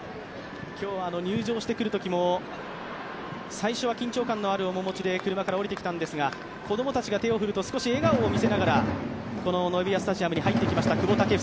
今日は入場してくるときも緊張感のある面持ちで車から降りてきたんですが子供たちが手を振ると少し笑顔を見せながらこのノエビアスタジアムに入ってきました。